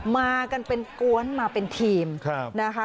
มากันเป็นกวนมาเป็นทีมนะคะ